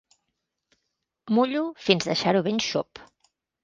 Mullo fins deixar-ho ben xop.